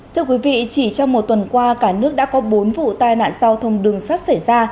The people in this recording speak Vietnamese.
thưa quý vị chỉ trong một tuần qua cả nước đã có bốn vụ tai nạn giao thông đường sắt xảy ra